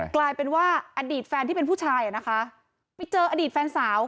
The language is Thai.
กลายเป็นว่าอดีตแฟนที่เป็นผู้ชายอ่ะนะคะไปเจออดีตแฟนสาว